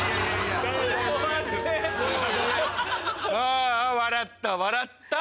ああ笑った笑った。